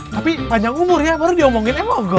tapi panjang umurnya baru diomongin ya mogok